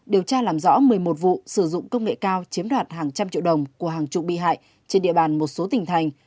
điều tra làm rõ một mươi một vụ sử dụng công nghệ cao chiếm đoạt hàng trăm triệu đồng của hàng chục bị hại trên địa bàn một số tỉnh thành